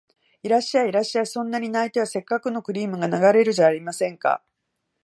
いらっしゃい、いらっしゃい、そんなに泣いては折角のクリームが流れるじゃありませんか